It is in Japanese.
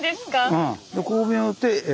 うん。